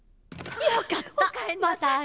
よかった。